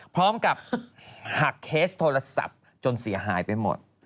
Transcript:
พร้อมกับหักเคสโทรศัพท์จนเสียหายไปหมด